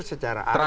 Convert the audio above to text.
jadi secara aris